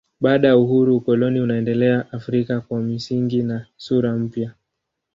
Baada ya uhuru ukoloni unaendelea Afrika kwa misingi na sura mpya.